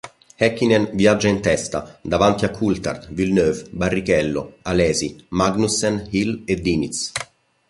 Häkkinen viaggia in testa davanti a Coulthard, Villeneuve, Barrichello, Alesi, Magnussen, Hill e Diniz.